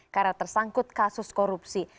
karena tersangkut kasus korupsi